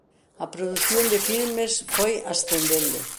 A produción de filmes foi ascendendo.